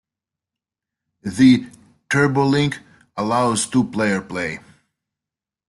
The "TurboLink" allows two-player play.